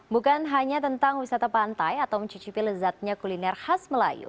bukan hanya tentang wisata pantai atau mencicipi lezatnya kuliner khas melayu